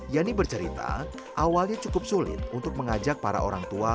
yani bercerita awalnya cukup sulit untuk mengajak para orang tua